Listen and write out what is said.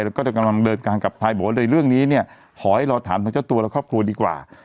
แล้วก็จะกำลังเดินการกลับไทยบอกว่าในเรื่องนี้เนี่ยขอให้เราถามทางเจ้าตัวและครอบครัวดีกว่า